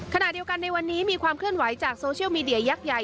ขณะเดียวกันในวันนี้มีความเคลื่อนไหวจากโซเชียลมีเดียยักษ์ใหญ่